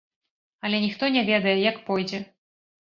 Але ніхто не ведае, як пойдзе.